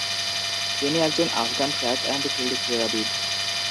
তিনি একজন Afghan track and field ক্রীড়াবিদ।